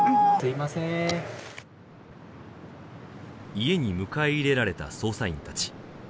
家に迎え入れられた捜査員たち